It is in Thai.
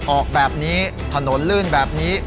ออกแบบนี้ถนนลื่นแบบนี้